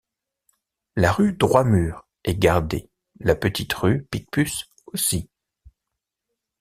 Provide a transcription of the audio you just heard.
La rue Droit-Mur est gardée, la petite rue Picpus aussi.